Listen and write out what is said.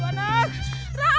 kemana tuan ron